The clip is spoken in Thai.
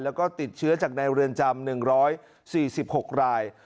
แล้วก็ติดเชื้อจากในเรือนจำ๑๔๖ราย